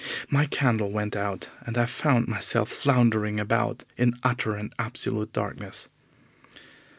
My candle went out, and I found myself floundering about in utter and absolute darkness.